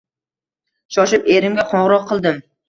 Shoshib erimga qo`ng`iroq qildim